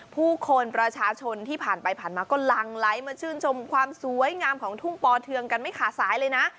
ผู้คนประชาชนที่ผ่านไปผ่านมาก็ลังไหลมาชื่นชมความสวยงามของทุ่งปอเทืองกันไม่ขาดสายเลยนะ